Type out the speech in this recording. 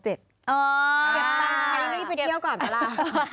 อ๋อเก็บตังให้ไม่ไปเที่ยวก่อนเวลา